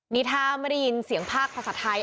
นี่ถ้าไม่ได้ยินเสียงภาคภาษาไทย